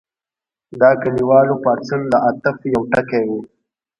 د کلیوالو پاڅون د عطف یو ټکی و.